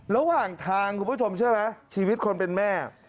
ระหว่างทางคุณผู้ชมเชื่อไหมชีวิตคนเป็นแม่